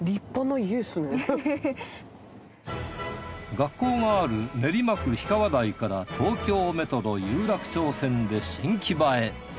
学校がある練馬区氷川台から東京メトロ有楽町線で新木場へ。